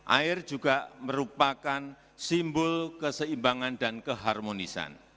air juga merupakan simbol keseimbangan dan keharmonisan